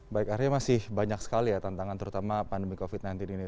baik arya masih banyak sekali ya tantangan terutama pandemi covid sembilan belas ini